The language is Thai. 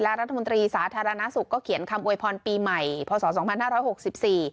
และรัฐมนตรีสาธารณสุขก็เขียนคำอวยพรปีใหม่พศ๒๕๖๔